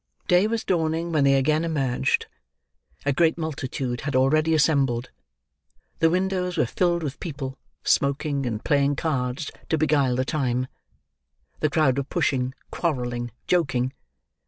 Day was dawning when they again emerged. A great multitude had already assembled; the windows were filled with people, smoking and playing cards to beguile the time; the crowd were pushing, quarrelling, joking.